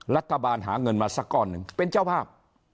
รัฐบาลหาเงินมาสักก้อนหนึ่งเป็นเจ้าภาพ